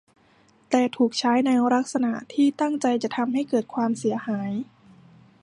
แต่ถูกใช้ในลักษณะที่ตั้งใจจะทำให้เกิดความเสียหาย